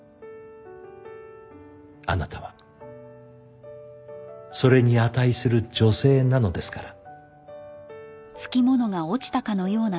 あなたはそれに値する女性なのですから。